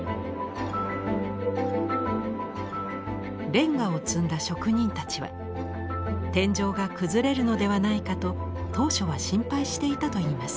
レンガを積んだ職人たちは天井が崩れるのではないかと当初は心配していたといいます。